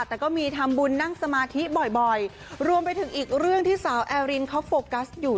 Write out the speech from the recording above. แต่ก็มีทำบุญนั่งสมาธิบ่อยรวมไปถึงอีกเรื่องที่สาวแอรินเขาโฟกัสอยู่